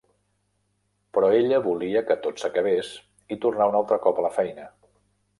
Però ella volia que tot s'acabés i tornar un altre cop a la feina.